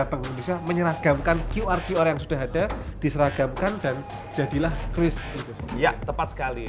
bank indonesia menyeragamkan qr qr yang sudah ada diseragamkan dan jadilah kris ya tepat sekali